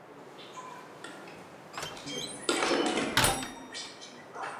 魏孝明帝时尚书左仆射。